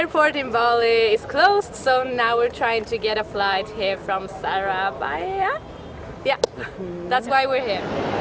pulau bali ditutup jadi sekarang kita mencoba menerbang dari sarabaya